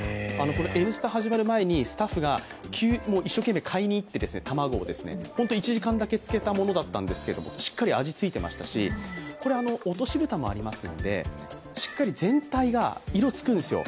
「Ｎスタ」始まる前にスタッフが一生懸命、卵を買いに行って１時間だけつけたものなんですが、しっかり味ついてましたし落とし蓋もありますのでしっかり全体が色、つくんですよ。